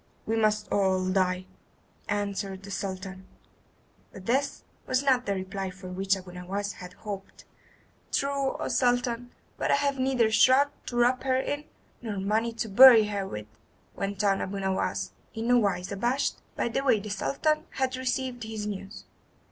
"We must all die," answered the Sultan; but this was not the reply for which Abu Nowas had hoped. "True, O Sultan, but I have neither shroud to wrap her in, nor money to bury her with," went on Abu Nowas, in no wise abashed by the way the Sultan had received his news.